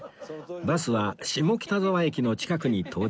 バスは下北沢駅の近くに到着